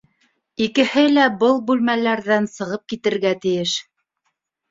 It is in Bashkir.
Икеһе лә был бүлмәләрҙән сығып китергә тейеш.